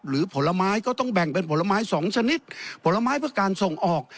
ผลไม้ก็ต้องแบ่งเป็นผลไม้สองชนิดผลไม้เพื่อการส่งออก